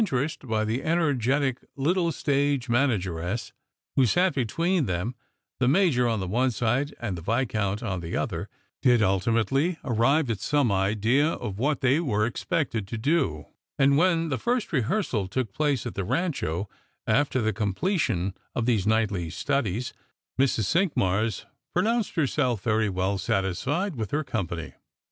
rest by the energetic little stage manageress who eat between them, the Major on the one side and the Viscount on the other, did ultimately arrive at some idea of what they were expected to do; and when the first rehearsal took place at the Rancho, after the completion of these nit^htly studies, Mrs. Cinqmars pro nounced herself very well satisfied x^h her company.